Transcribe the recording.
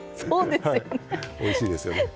おいしいですよね。